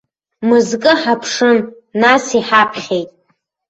Мызкы ҳаԥшын, нас иҳаԥхьеит.